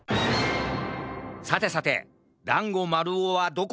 さてさてだんごまるおはどこかな？